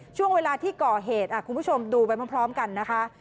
ช่วงเวลาที่ก่อเหตุคุณผู้ชมดูไปพร้อมกันนะคะ